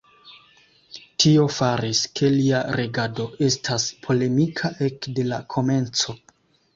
Tio faris ke lia regado estas polemika ekde la komenco.